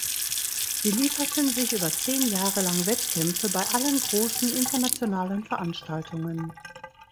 Sie lieferten sich über zehn Jahre lang Wettkämpfe bei allen großen internationalen Veranstaltungen.